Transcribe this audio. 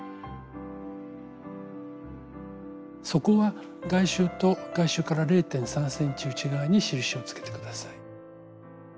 底は外周と外周から０．３ｃｍ内側に印をつけて下さい。